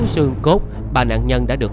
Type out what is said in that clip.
xương cốt ba nạn nhân đã được